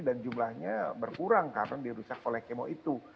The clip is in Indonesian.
dan jumlahnya berkurang karena dirusak oleh kemo itu